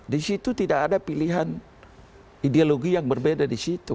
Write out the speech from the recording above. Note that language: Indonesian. di situ tidak ada pilihan ideologi yang berbeda di situ